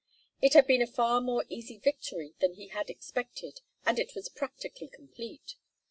It had been a far more easy victory than he had expected, and it was practically complete.